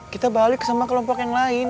kita balik sama kelompok yang lain